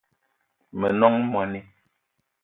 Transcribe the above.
Me nong moni